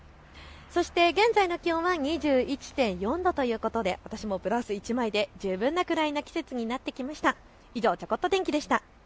そして現在の気温は２１．４度ということで私もブラウス１枚で過ごせる季節となってきました。